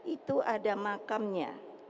itu ada makamnya